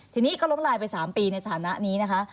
ทีนี้ก็ล้มลายไป๓ปีในสถานะนี้นะคะ